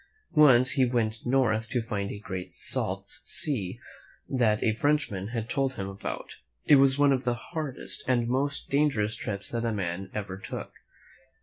Once he went north to find a great salt sea that a Frenchman had told him about. It was one of the hardest and most dan gerous trips that a man ever took.